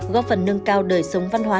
góp phần nâng cao đời sống văn hóa